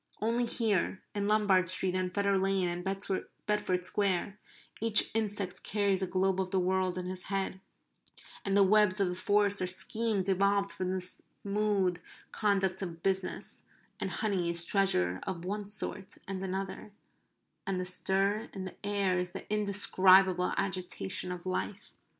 Only here in Lombard Street and Fetter Lane and Bedford Square each insect carries a globe of the world in his head, and the webs of the forest are schemes evolved for the smooth conduct of business; and honey is treasure of one sort and another; and the stir in the air is the indescribable agitation of life.